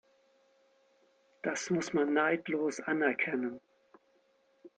Das muss man neidlos anerkennen.